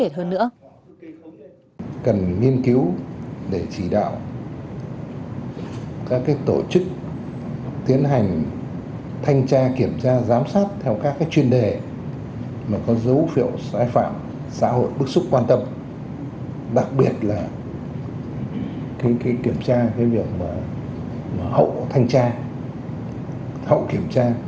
đặc biệt là kiểm tra hậu thanh tra hậu kiểm tra